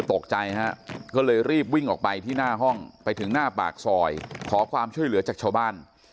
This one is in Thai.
ตกใจฮะก็เลยรีบวิ่งออกไปที่หน้าห้องไปถึงหน้าปากซอยขอความช่วยเหลือจากชาวบ้าน